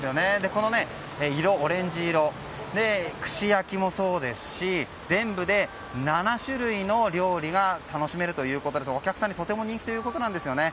このオレンジ色串焼きもそうですし全部で７種類の料理が楽しめるということでお客さんにとても人気ということなんですよね。